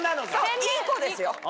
いい子ですよ。